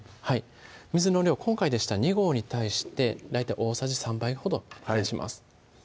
今回でしたら２合に対して大体大さじ３杯ほど減らします